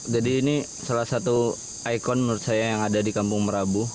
jadi ini salah satu ikon menurut saya yang ada di kampung merabu